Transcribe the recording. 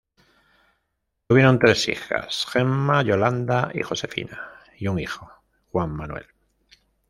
Tuvieron tres hijas, Gemma, Yolanda y Josefina, y un hijo, Juan Manuel.